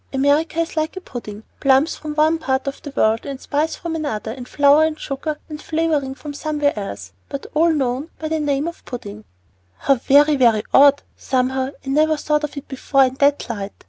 America is like a pudding, plums from one part of the world, and spice from another, and flour and sugar and flavoring from somewhere else, but all known by the name of pudding." "How very, very odd. Somehow I never thought of it before in that light.